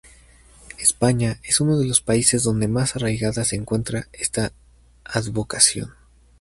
España es uno de los países donde más arraigada se encuentra esta advocación.